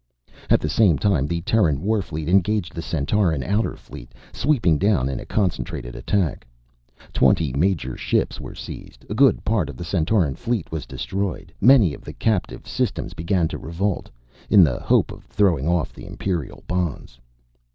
At the same time the Terran warfleet engaged the Centauran outer fleet, sweeping down in a concentrated attack. Twenty major ships were seized. A good part of the Centauran fleet was destroyed. Many of the captive systems began to revolt, in the hope of throwing off the Imperial bonds.